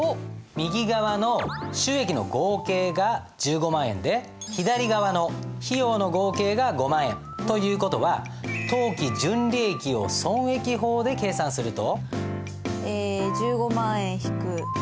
右側の収益の合計が１５万円で左側の費用の合計が５万円。という事は当期純利益を損益法で計算すると？